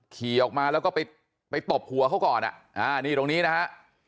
ขี่ออกมาแล้วก็ไปตบหัวเขาก่อนนี่ตรงนี้นะฮะ